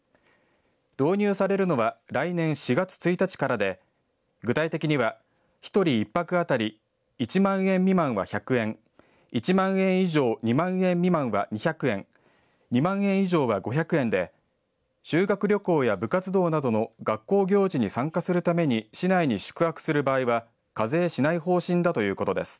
導入されるのは来年４月１日からで具体的には１人１泊当たり１万円未満は１００円、１万円以上、２万円未満は２００円、２万円以上は５００円で修学旅行や部活動などの学校行事に参加するために市内に宿泊する場合は課税しない方針だということです。